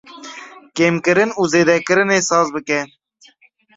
Kêmkirin û zêdekirinê saz bike.